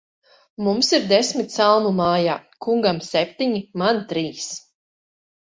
Mums ir desmit salmu mājā; kungam septiņi, man trīs.